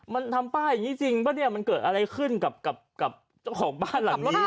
มันทำป้ายอย่างนี้จริงป่ะเนี่ยมันเกิดอะไรขึ้นกับเจ้าของบ้านหลังนี้